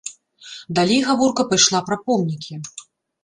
Далей гаворка пайшла пра помнікі.